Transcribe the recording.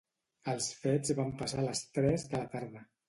Els fets van passar a les tres de la tarda.